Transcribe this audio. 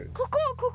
ここ。